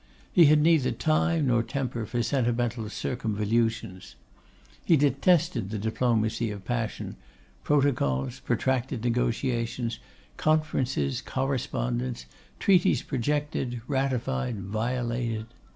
He had neither time nor temper for sentimental circumvolutions. He detested the diplomacy of passion: protocols, protracted negotiations, conferences, correspondence, treaties projected, ratified, violated.